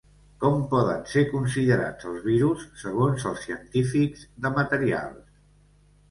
Com poden ser considerats els virus segons els científics de materials?